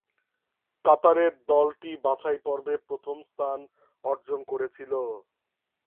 কাতারের দলটি বাছাই পর্বে প্রথম স্থান অর্জন করেছিল।